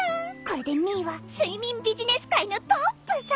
これでミーは睡眠ビジネス界のトップさ。